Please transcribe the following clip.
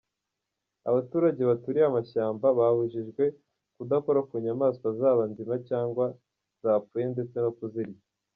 Abaturage baturiye amashyamba babujijwe kudakora ku nyamaswa zaba nzima cyangwa zapfuye ndetse no kuzirya.